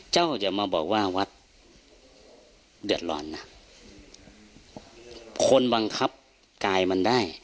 อย่ามาบอกว่าวัดเดือดร้อนนะคนบังคับกายมันได้